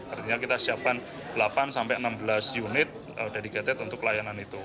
artinya kita siapkan delapan sampai enam belas unit dedicated untuk layanan itu